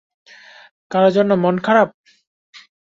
কারো জন্য মন খারাপ?